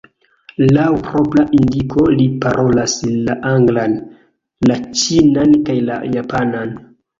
Laŭ propra indiko li parolas la anglan, la ĉinan kaj la japanan.